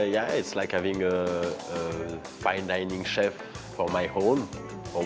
ya seperti memiliki chef fine dining di rumah saya untuk satu malam